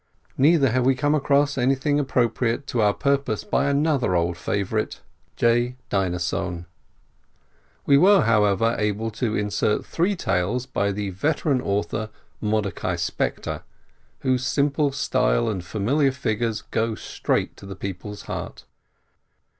Neither have we come across anything ap propriate to our purpose by another old favorite, J. Dienesohn. We were, however, able to insert three tales by the veteran author Mordecai Spektor, whose simple style and familiar figures go straight to the people's heart.